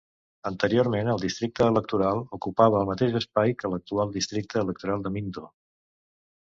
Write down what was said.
Anteriorment, el districte electoral ocupada el mateix espai que l'actual districte electoral de Minto.